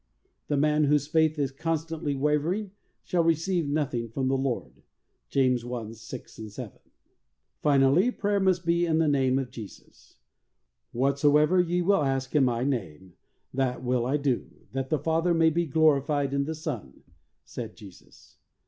The man whose faith is constantly wavering shali receive nothing from the Lord. (James i: 6 7.) 26 THE soul winner's secret. Finally, prayer must be in the name of Jesus. "Whatsoever ye will ask in My name that will I do, that the Father may be glorified in the Son," said Jesus.